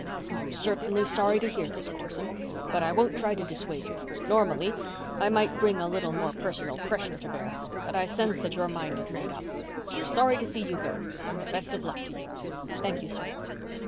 "I'm certainly sorry to hear this, Corson. But I won't try to dissuade you. Normally, I might bring a little more personal pressure to bear, but I sense that your mind is made up. We're sorry to see you go, but the best of luck to you." "Thank you, sir."